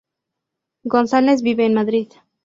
González vive en Madrid.